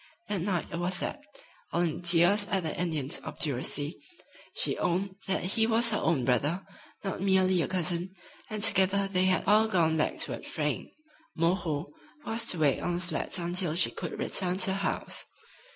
That night it was that, all in tears at the Indian's obduracy, she owned that he was her own brother, not merely a cousin, and together they had all gone back toward Frayne. "Moreau" was to wait on the flats until she could return to the house.